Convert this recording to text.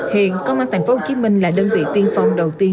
hiện công an tp hcm là đơn vị tiên phong đầu tiên